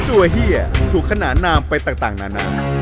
เฮียถูกขนานนามไปต่างนานา